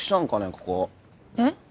ここえっ？